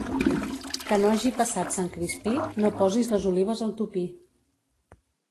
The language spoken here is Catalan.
Que no hagi passat Sant Crispí, no posis les olives al tupí.